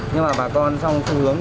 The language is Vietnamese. nhưng mà bà con xong